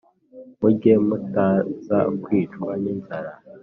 murye mutaza kwicwa n'inzara.»